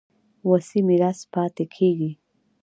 وصي میراث پاتې کېږي.